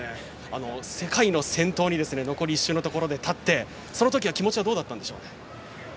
世界の先頭に残り１周のところで立ってそのときは気持ちはどうだったんでしょう？